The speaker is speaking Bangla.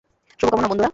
শুভকামনা, বন্ধুরা।